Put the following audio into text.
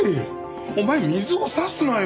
お前水を差すなよ！